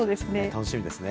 楽しみですね。